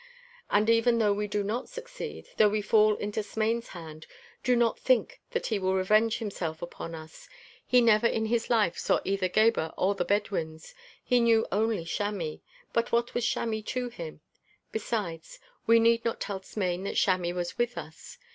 And even though we do not succeed, though we fall into Smain's hand, do not think that he will revenge himself upon us. He never in his life saw either Gebhr or the Bedouins; he knew only Chamis, but what was Chamis to him? Besides, we need not tell Smain that Chamis was with us.